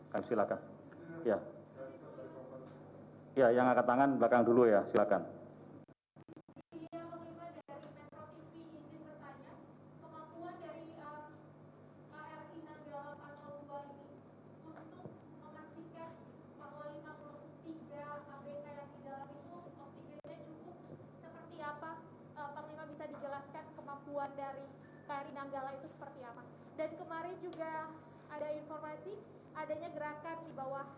kami kembalikan lagi kepada panglima tni